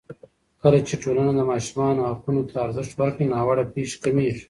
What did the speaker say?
کله چې ټولنه د ماشومانو حقونو ته ارزښت ورکړي، ناوړه پېښې کمېږي.